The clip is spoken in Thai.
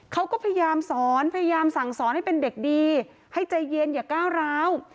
เขาก็พยายามสอนพยายามสั่งสอนให้เป็นเด็กดีให้ใจเย็นอย่าก้าวร้าว